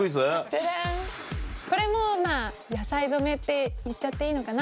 ジャジャンこれもまぁ野菜染めって言っちゃっていいのかな。